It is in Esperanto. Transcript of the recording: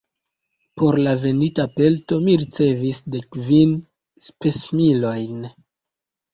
Por la vendita pelto mi ricevis dek kvin spesmilojn.